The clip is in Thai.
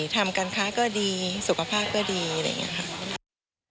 ทำการค้าก็ดีสุขภาพก็ดีอะไรอย่างนี้ค่ะ